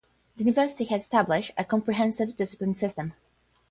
The university has established a comprehensive discipline system.